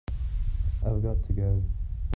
I've got to go.